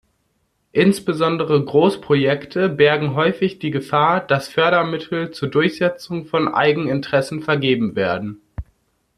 Insbesondere Großprojekte bergen häufig die Gefahr, dass Fördermittel zur Durchsetzung von Eigeninteressen vergeben werden.